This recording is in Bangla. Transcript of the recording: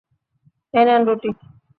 এই নেন রুটি।